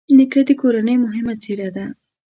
نیکه د کورنۍ مهمه څېره ده.